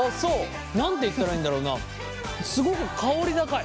何て言ったらいいんだろうなすごく香り高い。